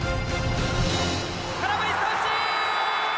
空振り三振！